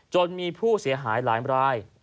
จนมีผู้เสียหายหลายราย